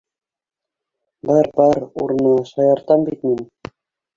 - Бар, бар урыныңа, шаяртам бит мин